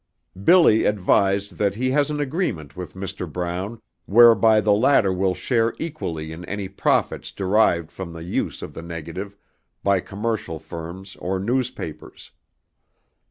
BILLY advised that he has an agreement with Mr. BROWN whereby the latter will share equally in any profits derived from the use of the negative by commercial firms or newspapers.